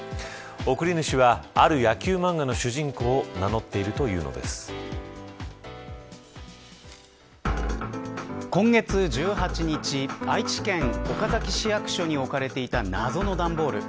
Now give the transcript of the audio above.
送り主はある野球漫画の主人公を今月１８日愛知県岡崎市役所に置かれていた謎の段ボール。